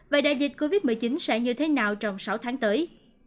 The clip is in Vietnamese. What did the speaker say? vậy đại dịch covid một mươi chín sẽ như thế nào trong sáu tháng tới